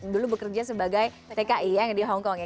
dulu bekerja sebagai tki yang di hongkong ya